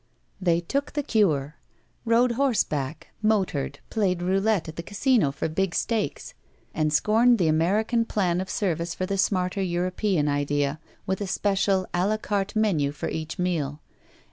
They took the *' cure. '' Rode horseback, motored, played roulette at the casino for big stakes, and scorned the American plan of service for the smarter European idea, with a special d la carte menu for each meal.